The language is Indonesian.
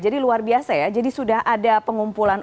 jadi luar biasa ya jadi sudah ada pengumpulan